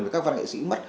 với các văn nghệ sĩ mất